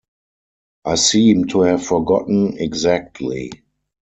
I seem to have forgotten exactly.